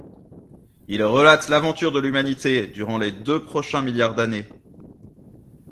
Il relate l'aventure de l'humanité durant les deux prochains milliards d'années.